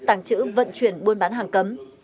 tẳng chữ vận chuyển buôn bán hàng cấm